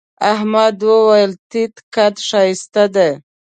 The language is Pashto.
احمد وويل: تيت قد ښایست دی.